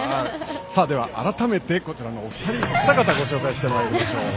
では改めてこちらのお二方をご紹介してまいりましょう。